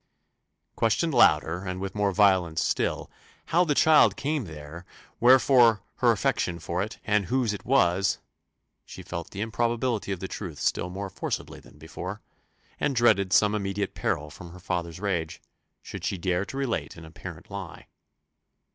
Questioned louder, and with more violence still, "how the child came there, wherefore her affection for it, and whose it was," she felt the improbability of the truth still more forcibly than before, and dreaded some immediate peril from her father's rage, should she dare to relate an apparent lie.